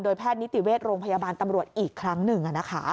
แพทย์นิติเวชโรงพยาบาลตำรวจอีกครั้งหนึ่ง